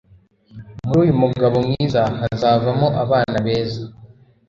Muri uyu mugabo mwiza hazavamo abana beza